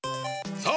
さあ！